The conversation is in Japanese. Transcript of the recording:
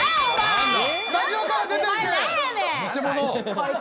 スタジオから出て行け！